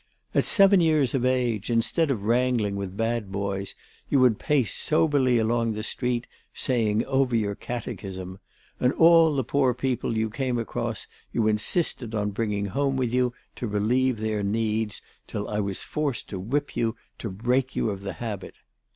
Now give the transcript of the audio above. At seven years of age, instead of wrangling with bad boys, you would pace soberly along the street saying over your catechism; and all the poor people you came across you insisted on bringing home with you to relieve their needs, till I was forced to whip you to break you of the habit.